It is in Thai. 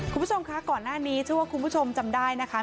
คุณผู้ชมคะก่อนหน้านี้เชื่อว่าคุณผู้ชมจำได้นะคะ